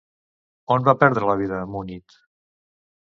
On va perdre la vida Múnit?